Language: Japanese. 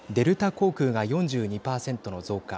航空が４２％の増加